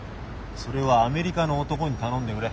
それはアメリカの男に頼んでくれ。